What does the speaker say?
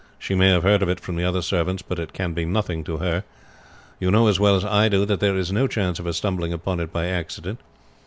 She may have heard of it from the other servants, but it can be nothing to her. You know as well as I do that there is no chance of her stumbling upon it by accident.